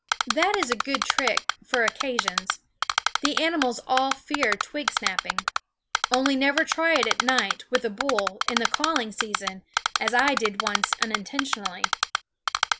That is a good trick, for occasions. The animals all fear twig snapping. Only never try it at night, with a bull, in the calling season, as I did once unintentionally.